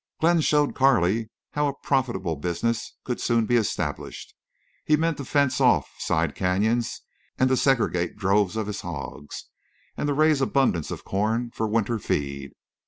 Glenn showed Carley how a profitable business could soon be established. He meant to fence off side canyons and to segregate droves of his hogs, and to raise abundance of corn for winter feed.